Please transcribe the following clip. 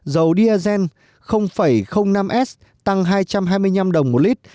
dầu diesel năm s tăng hai trăm hai mươi năm đồng một lít